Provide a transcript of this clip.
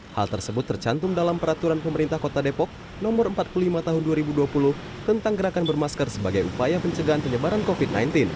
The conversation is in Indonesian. hal tersebut tercantum dalam peraturan pemerintah kota depok no empat puluh lima tahun dua ribu dua puluh tentang gerakan bermasker sebagai upaya pencegahan penyebaran covid sembilan belas